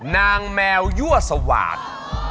นางแมวยั่วสว่าง